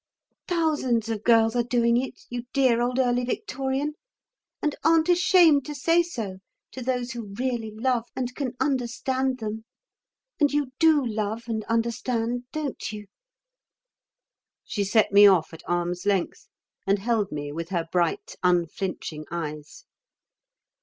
"Thousands of girls are doing it, you dear old Early Victorian, and aren't ashamed to say so to those who really love and can understand them. And you do love and understand, don't you?" She set me off at arm's length, and held me with her bright unflinching eyes.